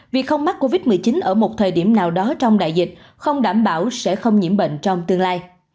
vì không mắc covid một mươi chín ở một thời điểm nào đó trong đại dịch không đảm bảo sẽ không nhiễm bệnh trong tương lai